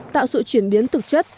tạo sự chuyển biến thực chất